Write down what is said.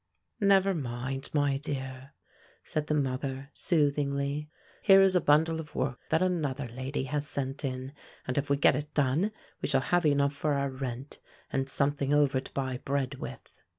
"Never mind, my dear," said the mother, soothingly; "here is a bundle of work that another lady has sent in, and if we get it done, we shall have enough for our rent, and something over to buy bread with."